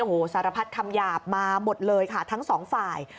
โอ้โหสารพัดคำหยาบมาหมดเลยค่ะทั้งสองฝ่าย